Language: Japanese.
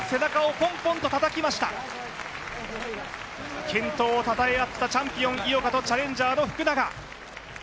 健闘をたたえ合ったチャンピオン井岡とチャレンジャーの福永。